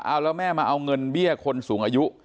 เอาแล้วแม่มาเอาเงินเบี้ยคนสูงอายุ